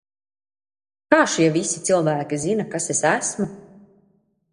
Kā šie visi cilvēki zina, kas es esmu?